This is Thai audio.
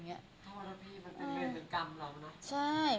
วัฒนภีร์เป็นเรื่องกันจนกำหล่วง